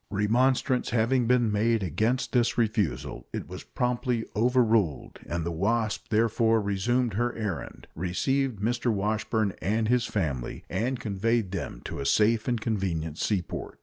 Remonstrance having been made against this refusal, it was promptly overruled, and the Wasp therefore resumed her errand, received Mr. Washburn and his family, and conveyed them to a safe and convenient seaport.